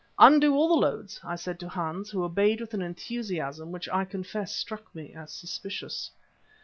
"Undo all the loads," I said to Hans, who obeyed with an enthusiasm which I confess struck me as suspicious.